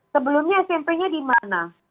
sebelumnya smp nya di mana